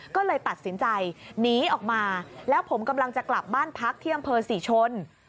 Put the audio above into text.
ก็เลยตัดสินใจหนีออกมาแล้วผมกำลังจะกลับบ้านพักที่อำเภอศรีชน